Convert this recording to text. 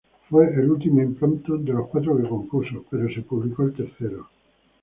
Fue el último impromptu de los cuatro que compuso, pero fue publicado el tercero.